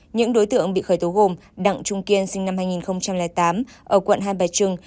những đối tượng bị khởi tố gồm đặng trung kiên sinh năm hai nghìn tám ở quận hai bà trưng